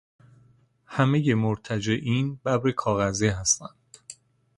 همهٔ مرتجعین ببر کاغذی هستند.